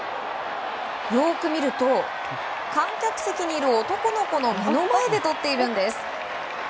よく見ると観客席にいる男の子の目の前でとっているんです。